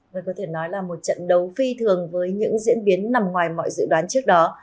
vâng có thể nói là một trận đấu phi thường với những diễn biến nằm ngoài mọi dự đoán trước đó